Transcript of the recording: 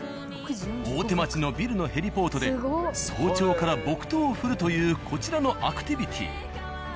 大手町のビルのヘリポートで早朝から木刀を振るというこちらのアクティビティ。